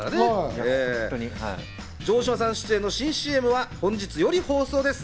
城島さん出演の新ＣＭは本日より放送です。